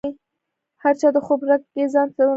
هر چا د خوب رګ یې ځانته معلوم کړی وي.